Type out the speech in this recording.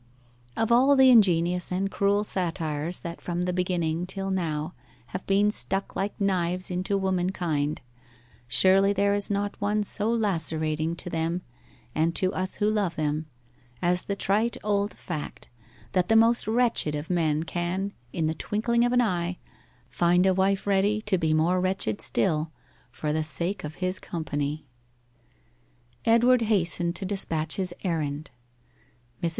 Of all the ingenious and cruel satires that from the beginning till now have been stuck like knives into womankind, surely there is not one so lacerating to them, and to us who love them, as the trite old fact, that the most wretched of men can, in the twinkling of an eye, find a wife ready to be more wretched still for the sake of his company. Edward hastened to despatch his errand. Mrs.